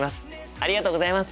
ありがとうございます。